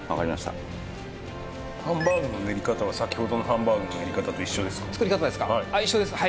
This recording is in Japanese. ハンバーグの練り方は先ほどのハンバーグのやり方と一緒ですか？